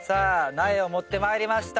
苗を持ってまいりました。